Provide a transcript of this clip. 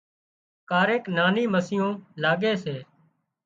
ڪاريڪ ناني مسيون لاڳي سي